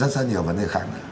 rất rất nhiều vấn đề khác